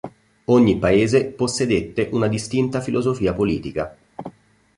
Ogni paese possedette una distinta filosofia politica.